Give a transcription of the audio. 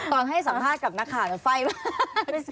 ตอนให้สัมภาษณ์กับนักงานไฟ่บ้าง